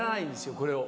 これを。